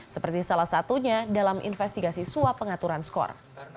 seperti salah satunya dalam investigasi suap pengaturan skor